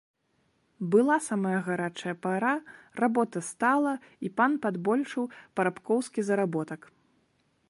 Была самая гарачая пара, работа стала, і пан падбольшыў парабкоўскі заработак.